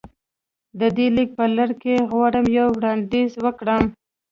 د دې ليک په لړ کې غواړم يو وړانديز وکړم.